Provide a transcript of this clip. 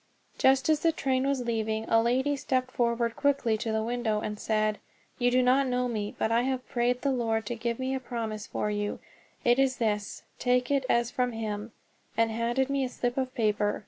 Just as the train was leaving a lady stepped forward quickly to the window and said, "You do not know me, but I have prayed the Lord to give me a promise for you; it is this, take it as from Him," and handed me a slip of paper.